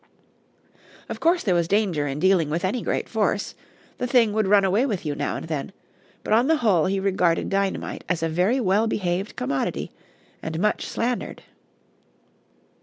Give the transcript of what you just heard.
Of course there was danger in dealing with any great force; the thing would run away with you now and then; but on the whole he regarded dynamite as a very well behaved commodity, and much slandered.